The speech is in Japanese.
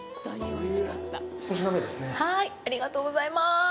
ありがとうございます。